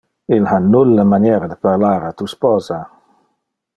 Il ha nulle maniera de parlar a tu sposa.